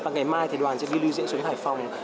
ngày mai thầy đoàn sẽ đi lưu diễn xuống hải phòng